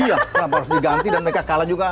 iya kenapa harus diganti dan mereka kalah juga